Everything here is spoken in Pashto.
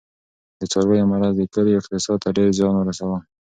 د څارویو مرض د کلي اقتصاد ته ډېر زیان ورساوه.